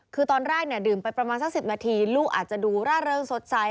คือตอนแรกเนี่ยดื่มไปประมาณสัก๑๐นาทีลูกอาจจะดูร่าเริงสดใส